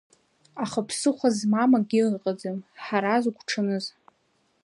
Аха ԥсыхәа змам акгьы ыҟаӡам, Ҳараз угәуҽаныз!